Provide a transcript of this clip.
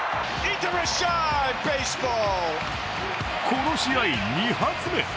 この試合２発目！